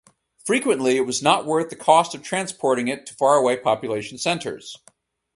Frequently it was not worth the cost of transporting it to far-away population centers.